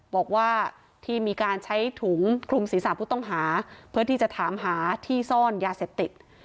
บอกว่าที่มีการใช้ถุงคลุมศีรษะผู้ต้องหาเพื่อที่จะถามหาที่ซ่อนยาเสพติด